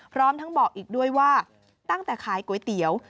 พร้อมทั้งบอกอีกด้วยว่าตั้งแต่ขายก๋วยเตี๋ยว